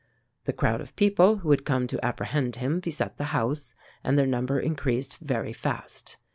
"The crowd of people who had come to apprehend him beset the house, and their number increased very fast.